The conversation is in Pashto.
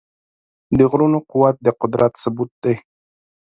د غرونو قوت د قدرت ثبوت دی.